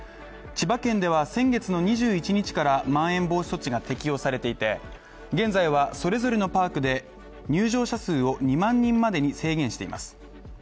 千葉県では先月の２１日からまん延防止措置が適用されていて現在はそれぞれのパークで入場者数を２万人までに制限しています。